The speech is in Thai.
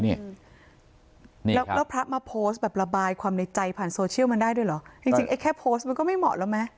แล้วพระมาโพสต์แบบระบายความในใจผ่านโซเชียลมันได้ด้วยเหรอจริงจริงไอ้แค่โพสต์มันก็ไม่เหมาะแล้วไหม